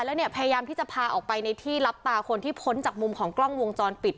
แล้วเนี่ยพยายามที่จะพาออกไปในที่รับตาคนที่พ้นจากมุมของกล้องวงจรปิด